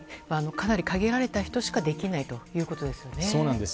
かなり限られた人しかできないということですね。